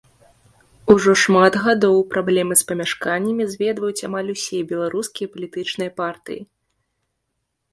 Ужо шмат гадоў праблемы з памяшканнямі зведваюць амаль усе беларускія палітычныя партыі.